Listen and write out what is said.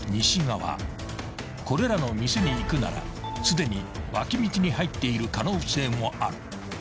［これらの店に行くならすでに脇道に入っている可能性もある］